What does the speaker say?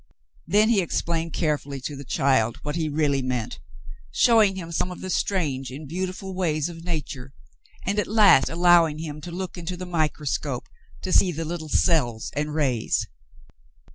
Then he explained carefully to the child what he really meant, showing him some of the strange and beautiful ways of nature, and at last allowing him to look into the micro scope to see the little cells and rays.